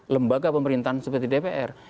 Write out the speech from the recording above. lembaga pemerintahan seperti dpr